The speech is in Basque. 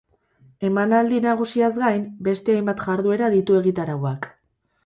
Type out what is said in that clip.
Emanaldi nagusiaz gain, beste hainbat jarduera ditu egitarauak.